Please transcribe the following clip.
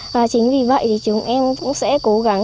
và chính vì vậy thì chúng em cũng sẽ cố gắng